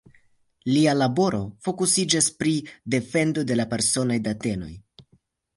Lia laboro fokusiĝas pri defendo de la personaj datenoj.